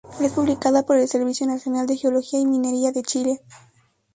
Es publicada por el Servicio Nacional de Geología y Minería de Chile.